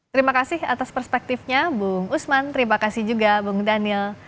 terima kasih atas perspektifnya bung usman terima kasih juga bung daniel